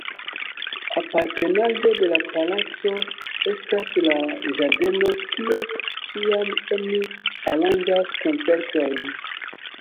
Apartenaĵo de la palaco estas la ĝardeno, kie ĉiam oni aranĝas koncertojn.